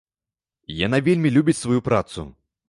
Яна вельмі любіць сваю працу.